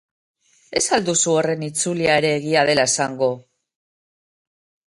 Ez ahal duzu horren itzulia ere egia dela esango!